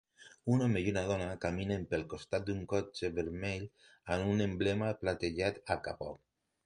Un home i una dona caminen pel costat d'un cotxe vermell amb un emblema platejat al capó.